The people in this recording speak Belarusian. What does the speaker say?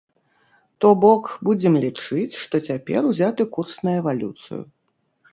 То бок будзем лічыць, што цяпер узяты курс на эвалюцыю.